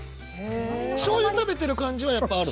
しょうゆ食べてる感じはあるの？